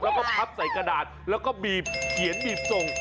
แล้วก็พับใส่กระดาษแล้วก็บีบเขียนบีบส่ง